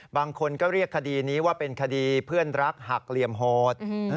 บางคนก็เรียกคดีนี้ว่าเป็นคดีเพื่อนรักหักเหลี่ยมโหด